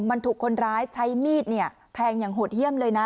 มันถูกคนร้ายใช้มีดแทงอย่างโหดเยี่ยมเลยนะ